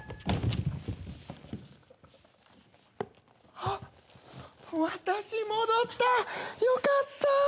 あっ私戻ったよかった。